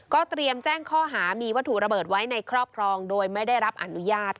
เตรียมแจ้งข้อหามีวัตถุระเบิดไว้ในครอบครองโดยไม่ได้รับอนุญาต